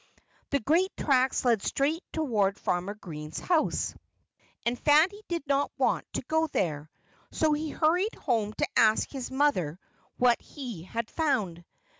The great tracks led straight toward Farmer Green's house. And Fatty did not want to go there. So he hurried home to ask his mother what he had found.